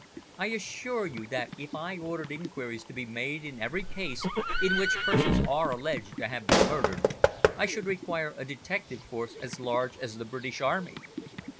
"I assure you that if I ordered inquiries to be made in every case in which persons are alleged to have been murdered, I should require a detective force as large as the British Army.